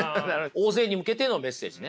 大勢に向けてのメッセージね。